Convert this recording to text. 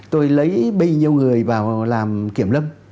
tôi lấy bây nhiêu người vào làm kiểm lâm